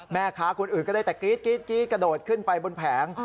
แม่ค้าคนอื่นก็ได้แต่กรี๊ดกระโดดขึ้นไปบนแผง